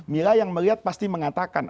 mila yang melihat pasti mengatakan